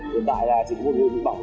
hiện tại là chỉ có một người bị bỏng